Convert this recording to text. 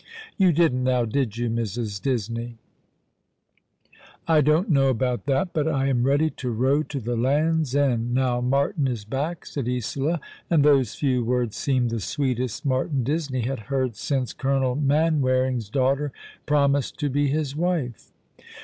You didn't now, did you, Mrs. Disney ?"" I don't know about that, but I am ready to row to the Land's End, now Martin is back," said Isola, and those few words seemed the sweetest Martin Disney had heard since Colonel Manwaring's daughter promised to be his wife.